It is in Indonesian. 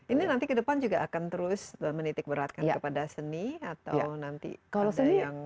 ini nanti ke depan juga akan terus menitik beratkan kepada seni atau nanti ada yang